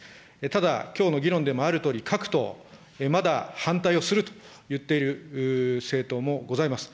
ただ、きょうの議論でもあるとおり、各党、まだ、反対をすると言っている政党もございます。